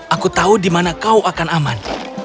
aku tahu di mana kau akan aman